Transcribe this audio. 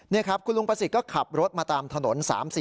นี่ครับคุณลุงประสิทธิ์ก็ขับรถมาตามถนน๓๔